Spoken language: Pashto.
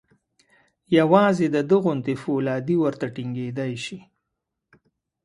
یوازې د ده غوندې فولادي ورته ټینګېدای شي.